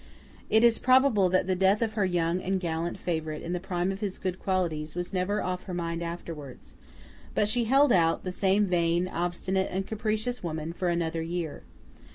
It is probable that the death of her young and gallant favourite in the prime of his good qualities, was never off her mind afterwards, but she held out, the same vain, obstinate and capricious woman, for another year.